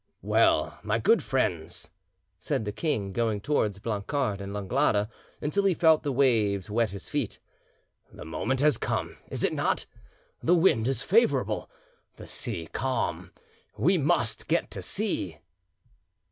"Well, my good friends," said the king, going towards Blancard and Langlade until he felt the waves wet his feet "the moment is come, is it not? The wind is favourable, the sea calm, we must get to sea."